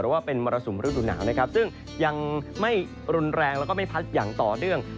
ว่าเป็นมรสุมฤดูหนาวนะครับซึ่งยังไม่รุนแรงแล้วก็ไม่พัดอย่างต่อเนื่อง